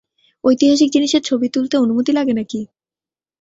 ঐতিহাসিক জিনিসের ছবি তুলতে, অনুমতি লাগে নাকি?